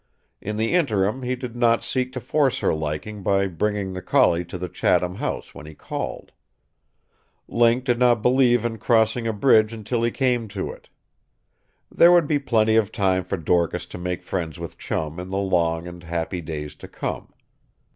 In the interim he did not seek to force her liking by bringing the collie to the Chatham house when he called. Link did not believe in crossing a bridge until he came to it. There would be plenty of time for Dorcas to make friends with Chum in the long and happy days to come.